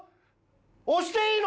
押していいの？